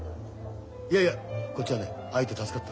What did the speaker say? いやいやこっちはね会えて助かった。